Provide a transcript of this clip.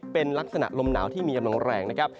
เป็นลักษณะลมหนาวที่มีกำลังแรงนะครับ